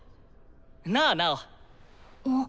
なあナオ！